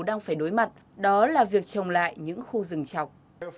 đang phải đối mặt đó là việc trồng lại những khu rừng chọc